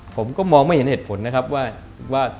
ผมก็มองไม่เห็นเหตุผลนะครับว่า